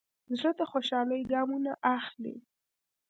زړه د خوشحالۍ ګامونه اخلي.